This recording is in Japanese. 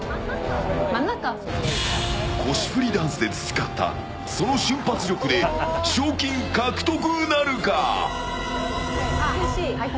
腰振りダンスで培ったその瞬発力で賞金獲得なるか？